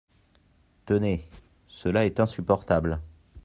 Tenez ; cela est insupportable.